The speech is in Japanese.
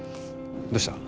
どうした？